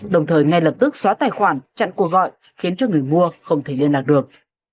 đồng thời ngay lập tức xóa tài khoản chặn cuộc gọi khiến cho người mua không thể liên lạc được